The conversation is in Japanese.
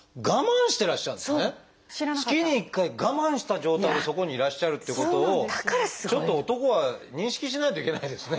月に１回我慢した状態でそこにいらっしゃるってことをちょっと男は認識しないといけないですね。